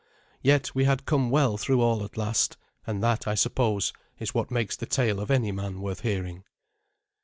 Yet we had come well through all at last; and that, I suppose, is what makes the tale of any man worth hearing.